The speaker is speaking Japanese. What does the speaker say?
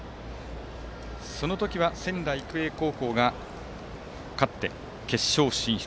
その時は仙台育英高校が勝って決勝進出。